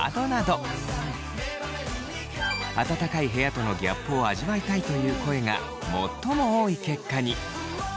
暖かい部屋とのギャップを味わいたいという声が最も多い結果に。